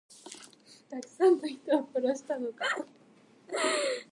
たくさんの人を殺したのか。